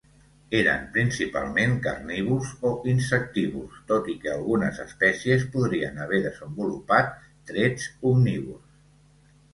Eren principalment carnívors o insectívors, tot i que algunes espècies podrien haver desenvolupat trets omnívors.